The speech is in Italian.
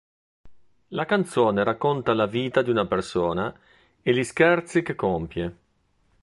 La canzone racconta la vita di una persona e gli scherzi che compie.